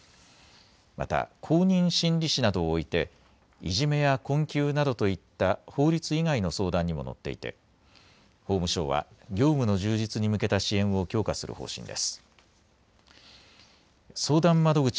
また、公認心理師などを置いていじめや困窮などといった法律以外の相談にも乗っていて、法務省は業務の充実に向けた支援を強化する方針です。